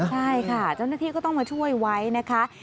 ใช่ค่ะเจ้าหน้าที่ก็ต้องมาช่วยไว้นะคะ